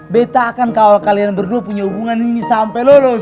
betta akan kawal kalian berdua punya hubungan ini sampai lolos